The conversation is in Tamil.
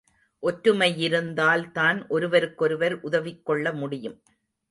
ஒற்றுமையிருந்தால் தான் ஒருவருக்கொருவர் உதவிக் கொள்ளமுடியும்.